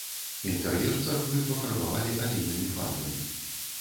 Інтэр'ер царквы пафарбавалі алейнымі фарбамі.